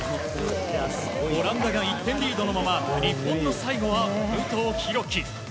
オランダが１点リードのまま日本の最後は武藤弘樹。